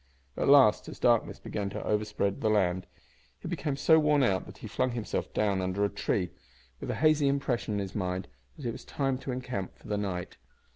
At last, as darkness began to overspread the land, he became so worn out that he flung himself down under a tree, with a hazy impression on his mind that it was time to encamp for the night.